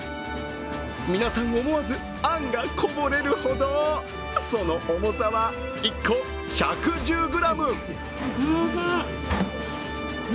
皆さん、思わずあんがこぼれるほどその重さは１個１１０ｇ。